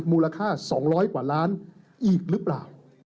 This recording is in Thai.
มูลค่า๒๐๐กว่าล้านอีกหรือเปล่า